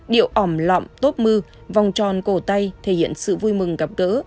điệu ỏm lọm tốt mư vòng tròn cổ tay thể hiện sự vui mừng gặp gỡ